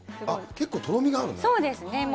あっ、結構とろみがあるね。